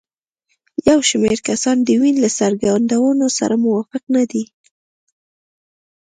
یو شمېر کسان د وین له څرګندونو سره موافق نه دي.